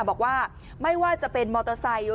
บอกว่าไม่ว่าจะเป็นมอเตอร์ไซค์